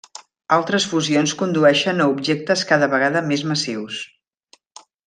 Altres fusions condueixen a objectes cada vegada més massius.